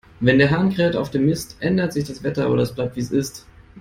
Wenn der Hahn kräht auf dem Mist, ändert sich das Wetter, oder es bleibt, wie es ist.